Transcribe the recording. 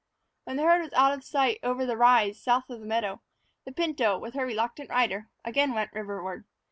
When the herd was out of sight over the rise south of the meadow, the pinto, with her reluctant rider, again went riverward.